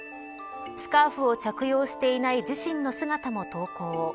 スカーフを着用していない自身の姿も投稿。